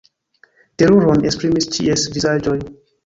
Teruron esprimis ĉies vizaĝoj.